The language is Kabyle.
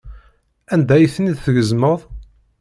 Anda ay ten-id-tgezmeḍ?